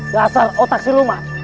dasar otak siluman